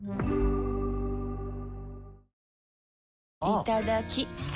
いただきっ！